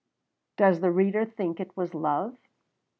Does the reader think it was love?